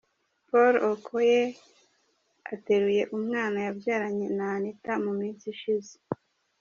Paul Okoye ateruye umwana yabyaranye na Anita mu minsi ishize.